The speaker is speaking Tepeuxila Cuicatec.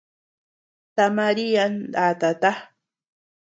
Ta Marian ndatata.